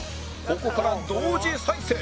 ここから同時再生